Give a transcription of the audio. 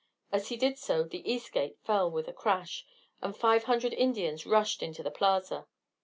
As he did so the east gate fell with a crash, and five hundred Indians rushed into the plaza.